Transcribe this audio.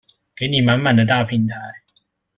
給你滿滿的大平台